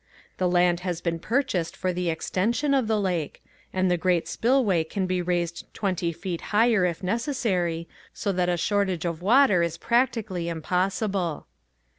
The land has been purchased for the extension of the lake and the great spillway can be raised twenty feet higher if necessary so that a shortage of water is practically impossible.